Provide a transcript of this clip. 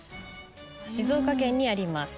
静岡県にあります。